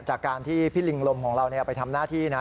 จากการที่พี่ลิงลมของเราไปทำหน้าที่นะ